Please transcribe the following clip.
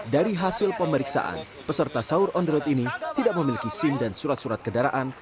dari hasil pemeriksaan peserta sahur on the road ini tidak memiliki sim dan surat surat kendaraan